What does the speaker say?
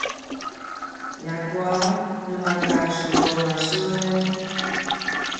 ljakua nu maka supu anga sun